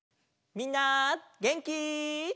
みんなげんき？